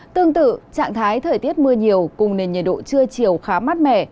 tương tự trạng thái thời tiết mưa nhiều cùng nền nhiệt độ trưa chiều khá mát mẻ